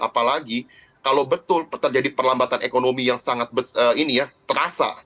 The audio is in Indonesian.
apalagi kalau betul terjadi perlambatan ekonomi yang sangat terasa